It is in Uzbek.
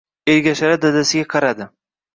Ergashali dadasiga qaradi.